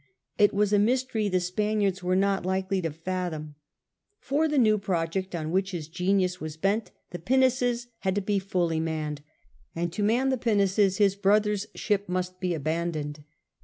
It was a mystery the Spaniards were not likely to fathom. For the new project on which his genius was bent the pinnaces had to be fully manned, and to man the pinnaces his brother's ship must be abandoned.